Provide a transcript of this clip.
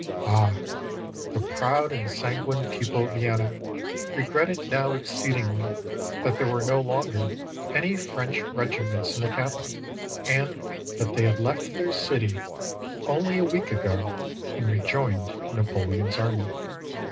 Ah, the proud and sanguine people of Vienna regretted now exceedingly that there were no longer any French regiments in the capital, and that they had left their city 339 AUSTRIA HUNGARY only a week ago and rejoined Napoleon's army.